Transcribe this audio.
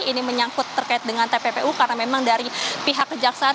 ini menyangkut terkait dengan tppu karena memang dari pihak kejaksaan